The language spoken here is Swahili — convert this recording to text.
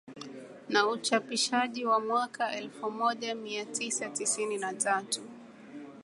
na Uchapishaji wa mwaka elfumoja miatisa tisini na tatu